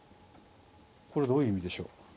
これどういう意味でしょう。